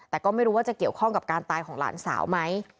แต่ก็ไม่รู้ว่าจะเกี่ยวข้องกับการตายของหลานสาวไหม